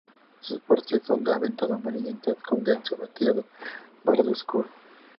Sus partes son de anteado amarillentas con denso veteado pardo oscuro.